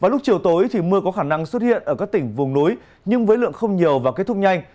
lúc chiều tối thì mưa có khả năng xuất hiện ở các tỉnh vùng núi nhưng với lượng không nhiều và kết thúc nhanh